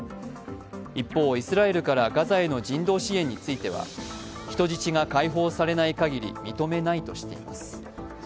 一方、イスラエルからガザへの人道支援については人質が解放されない限り認めないとしています